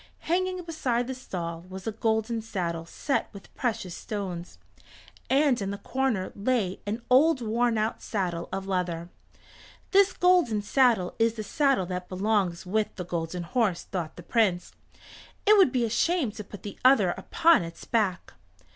Hanging beside the stall was a golden saddle set with precious stones, and in the corner lay an old worn out saddle of leather. "This golden saddle is the saddle that belongs with the Golden Horse," thought the Prince. "It would be a shame to put the other upon its back."